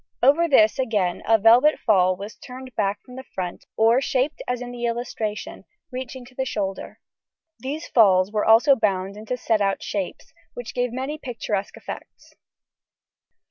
Over this again a velvet fall was turned back from the front or shaped as in the illustration, reaching to the shoulder. These falls were also bound into set out shapes, which gave many picturesque effects.